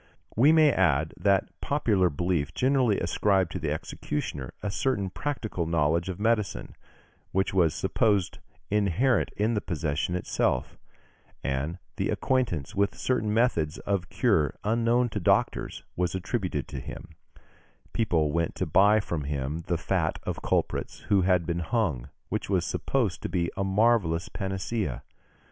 We may add that popular belief generally ascribed to the executioner a certain practical knowledge of medicine, which was supposed inherent in the profession itself; and the acquaintance with certain methods of cure unknown to doctors, was attributed to him; people went to buy from him the fat of culprits who had been hung, which was supposed to be a marvellous panacea.